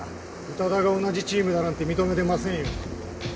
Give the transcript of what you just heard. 宇多田が同じチームだなんて認めてませんよ。